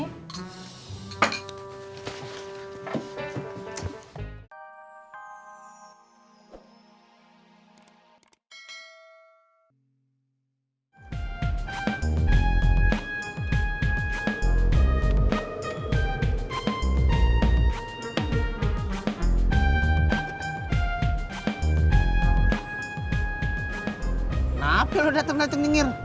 kenapa lo dateng dateng denger